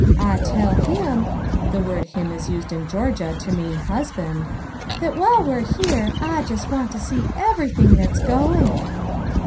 Ah tell him (the word 'him' is used in Georgia to mean husband) that while we're here Ah just want to see everything that's going."